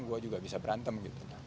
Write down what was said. gue juga bisa berantem gitu